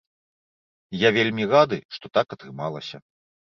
Я вельмі рады, што так атрымалася.